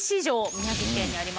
宮城県にありました